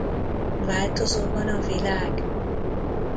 Változóban a világ?